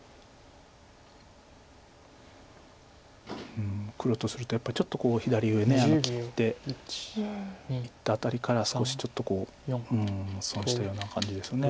うん黒とするとやっぱりちょっと左上切っていったあたりから少しちょっと損したような感じです。